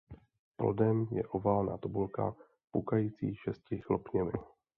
Plodem je oválná tobolka pukající šesti chlopněmi.